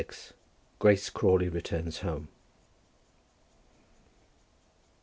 GRACE CRAWLEY RETURNS HOME.